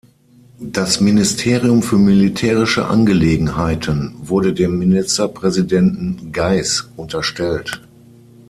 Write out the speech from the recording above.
Das Ministerium für militärische Angelegenheiten wurde dem Ministerpräsidenten Geiß unterstellt.